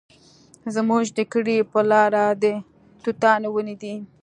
زموږ د کلي په لاره د توتانو ونې دي